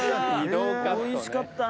おいしかったな。